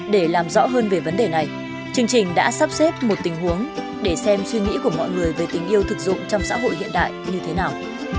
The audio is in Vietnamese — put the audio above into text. để làm rõ hơn về vấn đề này chương trình đã sắp xếp một tình huống để xem suy nghĩ của mọi người về tình yêu thực dụng trong xã hội hiện đại như thế nào